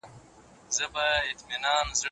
مونږ باید د روښانه راتلونکي هیله ولرو.